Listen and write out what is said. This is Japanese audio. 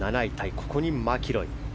ここにマキロイ。